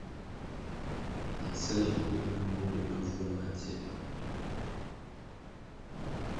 Nsele nwur me mbwo ri mavywia ma dziē.